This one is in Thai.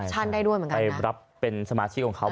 ใช่ไปรับเป็นสมาชิกของเขา